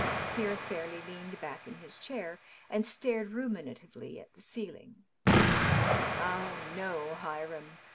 ..'' Here Fair leigh leaned back in his chair and stared ruminatively at the ceiling. " Ah, no, Hiram.